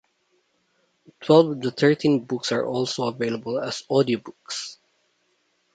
Twelve of the thirteen books are also available as audiobooks.